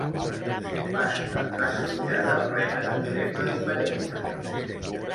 Pasta esfullada plena de crema i merenga